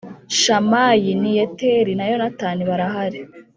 Shamayi ni Yeteri na Yonatani barahari